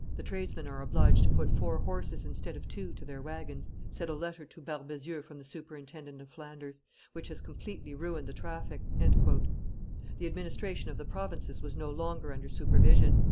"The tradesmen are obliged to put four horses instead of two to their wagons," said a letter to Barbezieux from the superintendent of Flanders, "which has completely ruined the traffic." The administration of the provinces was no longer under supervision.